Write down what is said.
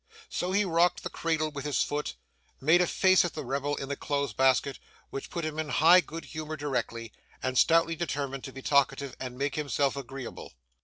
So he rocked the cradle with his foot; made a face at the rebel in the clothes basket, which put him in high good humour directly; and stoutly determined to be talkative and make himself agreeable.